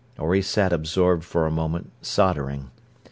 Or he sat absorbed for a moment, soldering.